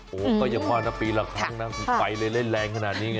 โอ้โหก็อย่าพอนะปีหลังครั้งนะไฟเล่นแรงขนาดนี้ไง